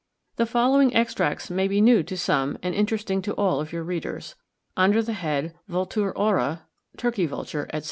The following extracts may be new to some and interesting to all of your readers: Under the head "Vultur aura, Turkey Vulture," etc.